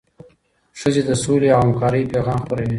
ښځې د سولې او همکارۍ پیغام خپروي.